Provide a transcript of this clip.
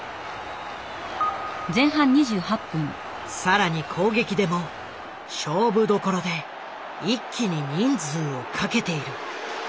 更に攻撃でも勝負どころで一気に人数をかけている。